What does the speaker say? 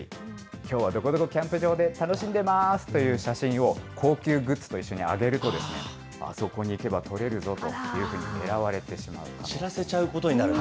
きょうはどこどこキャンプ場で楽しんでまーすという写真を、高級グッズと一緒に上げると、あそこに行けばとれるぞというふうに狙知らせちゃうことになるんだ。